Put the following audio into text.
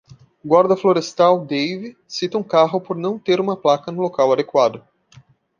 Guarda florestal Dave cita um carro por não ter uma placa no local adequado